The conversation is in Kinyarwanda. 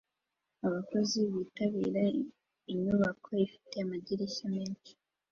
Abakozi bitabira inyubako ifite amadirishya menshi